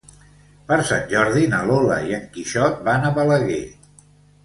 Per Sant Jordi na Lola i en Quixot van a Balaguer.